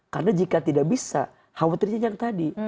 karena jika tidak bisa khawatirnya yang tadi